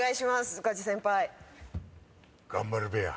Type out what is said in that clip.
宇梶先輩。